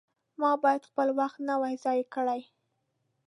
ما باید خپل وخت نه وای ضایع کړی.